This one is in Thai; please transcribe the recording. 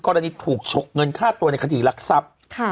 กรณีถูกฉกเงินฆ่าตัวในคดีรักทรัพย์